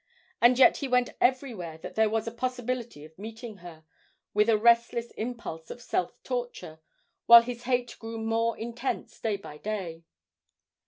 And yet he went everywhere that there was a possibility of meeting her, with a restless impulse of self torture, while his hate grew more intense day by day.